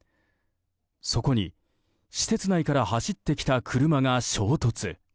そこに施設内から走ってきた車が衝突。